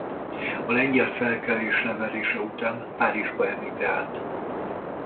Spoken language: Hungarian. A lengyel felkelés leverése után Párizsba emigrált.